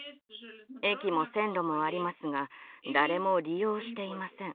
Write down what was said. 駅も線路もありますが誰も利用していません。